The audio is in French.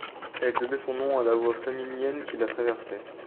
Elle devait son nom à la voie Flaminienne qui la traversait.